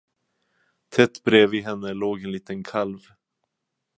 Tätt bredvid henne låg en liten kalv.